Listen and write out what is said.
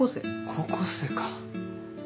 高校生か。